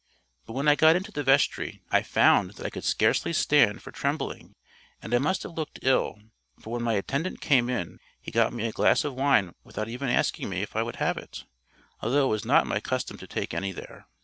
But when I got into the vestry I found that I could scarcely stand for trembling; and I must have looked ill, for when my attendant came in he got me a glass of wine without even asking me if I would have it, although it was not my custom to take any there.